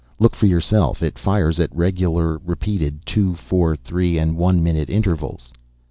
Look for yourself. It fires at regularly repeated two, four, three and one minute intervals."